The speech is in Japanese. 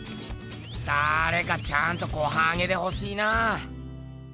だれかちゃんとごはんあげてほしいなぁ。